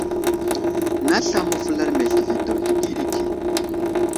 Nay aslam məvəlar meltivi daw ɗikiɗiki.